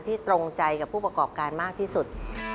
ตรงใจกับผู้ประกอบการมากที่สุด